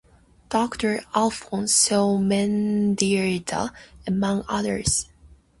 Doctor Alfonso Mendieta, among others.